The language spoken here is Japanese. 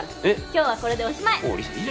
今日はこれでおしまい！